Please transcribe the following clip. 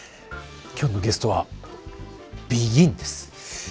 今日のゲストはＢＥＧＩＮです。